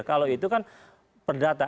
kalau itu kan perdata